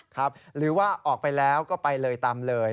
หรือว่าออกไปแล้วก็ไปเลยตามเลย